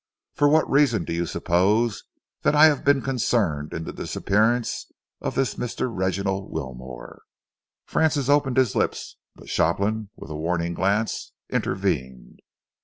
For what reason do you suppose that I have been concerned in the disappearance of this Mr. Reginald Wilmore?" Francis opened his lips, but Shopland, with a warning glance, intervened.